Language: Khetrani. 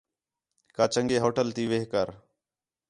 کا چنڳے ہوٹل تی وِہ کر